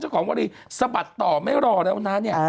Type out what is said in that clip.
เจ้าของวรีสะบัดต่อไม่รอแล้วนะ